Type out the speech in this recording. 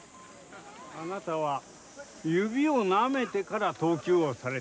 あなたは指をなめてから投球をされた。